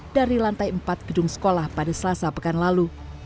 dari lantai empat gedung sekolah pada selasa pekan lalu